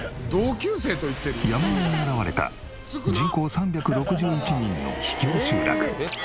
山あいに現れた人口３６１人の秘境集落。